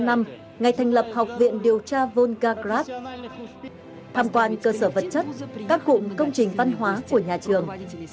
ngày thành lập học viện điều tra volgagrad tham quan cơ sở vật chất các cụm công trình văn hóa của nhà trường